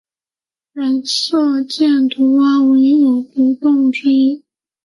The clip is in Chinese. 染色箭毒蛙为有毒的动物之一。